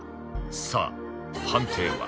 さあ判定は